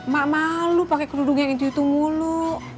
mak malu pakai kerudung yang itu itu mulu